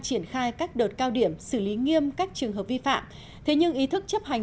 triển khai các đợt cao điểm xử lý nghiêm các trường hợp vi phạm thế nhưng ý thức chấp hành